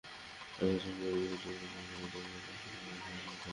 আমরা আশঙ্কা করি, বিগত বছরগুলোর মতো এবারেও এটা গতানুগতিকভাবে অনুমোদন লাভ করতে পারে।